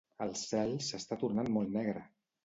El cel s'està tornant molt negre!